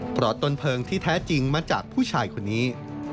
เพราะต้นเพลิงที่แท้จริงมาจากผู้ชายคนนี้